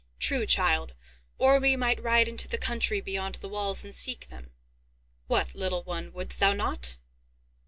"True, child; or we might ride into the country beyond the walls, and seek them. What, little one, wouldst thou not?"